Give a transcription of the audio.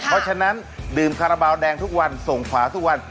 เพราะฉะนั้นดื่มคาราบาลแดงทุกวันส่งขวาทุกวัน